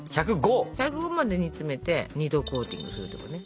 １０５まで煮詰めて２度コーティングするってことね。